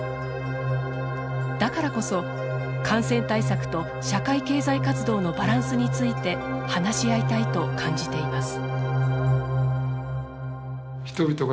だからこそ感染対策と社会経済活動のバランスについて話し合いたいと感じています。